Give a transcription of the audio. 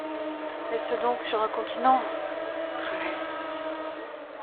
Est-ce donc sur un continent ? cruel !…